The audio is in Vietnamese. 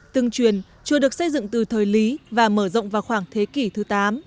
tương truyền chùa được xây dựng từ thời lý và mở rộng vào khoảng thế kỷ thứ tám